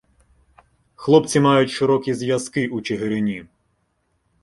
Хлопці мають широкі зв'язки у Чигирині.